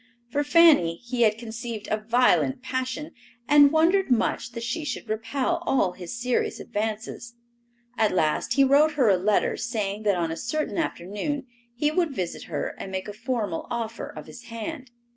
For Fanny he had conceived a violent passion and wondered much that she should repel all his serious advances. At last he wrote her a letter saying that on a certain afternoon he would visit her and make a formal offer of his hand.